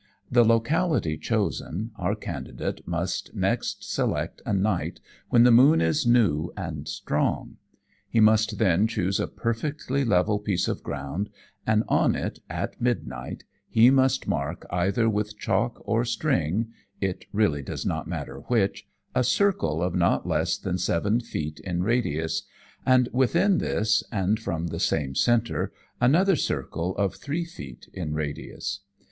The locality chosen, our candidate must next select a night when the moon is new and strong.[56:1] He must then choose a perfectly level piece of ground, and on it, at midnight, he must mark, either with chalk or string it really does not matter which a circle of not less than seven feet in radius, and within this, and from the same centre, another circle of three feet in radius.